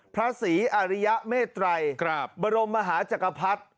พระศรีอาริยเมตรัยบรมมหาจักรพรรดิ